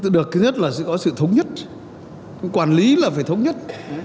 được thứ nhất là sẽ có sự thống nhất quản lý là phải thống nhất